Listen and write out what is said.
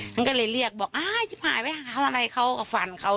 ท่านก็เลยเรียกบอกอ้าไอ้ชิบหายไว้เอาอะไรเขาก็ฟันเขา